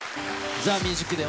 ＴＨＥＭＵＳＩＣＤＡＹ